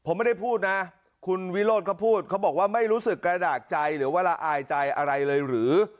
ผมไม่ได้พูดนะคุณวิโรธเขาพูดเขาบอกว่าไม่รู้สึกกระดาษใจหรือว่าละอายใจอะไรเลยหรือ